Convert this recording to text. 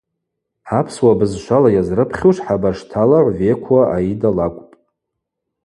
Апсыуа бызшвала йазрыпхьуш хӏабашталагӏв Векуа Аида лакӏвпӏ.